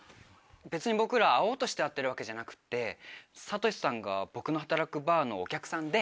別に僕ら会おうとして会ってるわけじゃなくて悟志さんが僕の働くバーのお客さんで。